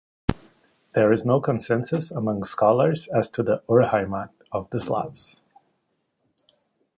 There is no consensus among scholars as to the urheimat of the Slavs.